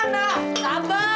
kau nih anak